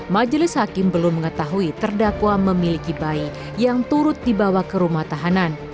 majelis hakim belum mengetahui terdakwa memiliki bayi yang turut dibawa ke rumah tahanan